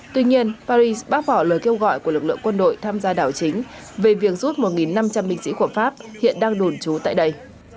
tuy nhiên paris bác bỏ lời kêu gọi của lực lượng quân đội tham gia đảo chính về việc rút một năm trăm linh binh sĩ của pháp hiện đang đồn trú tại đây